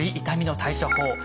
痛みの対処法